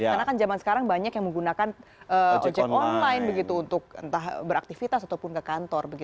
karena kan zaman sekarang banyak yang menggunakan ojek online untuk entah beraktifitas ataupun ke kantor